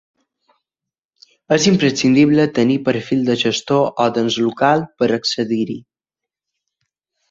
És imprescindible tenir perfil de gestor o d'ens local per accedir-hi.